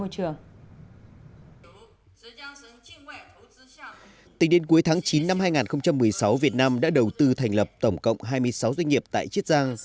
từ tháng chín năm hai nghìn một mươi sáu việt nam đã đầu tư thành lập tổng cộng hai mươi sáu doanh nghiệp tại chiết giang